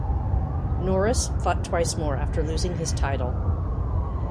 Norris fought twice more after losing his title.